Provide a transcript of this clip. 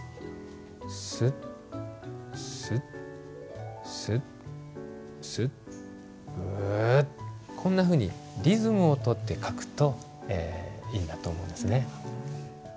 スッスッスッスッグッこんなふうにリズムをとって書くといいなと思うんですね。